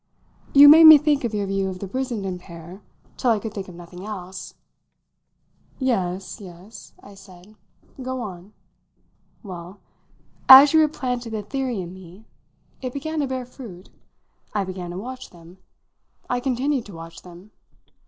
"You made me think of your view of the Brissenden pair till I could think of nothing else." "Yes yes," I said. "Go on." "Well, as you had planted the theory in me, it began to bear fruit. I began to watch them. I continued to watch them.